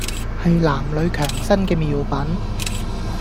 係男女強身嘅妙品